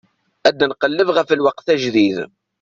Ad nqelleb ɣef lweqt ajdid.